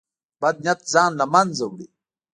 بد نیت ځان له منځه وړي.